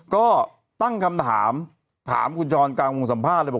ก็ตั้งคำถามถามคุณช้อนกลางวงสัมภาษณ์เลยบอก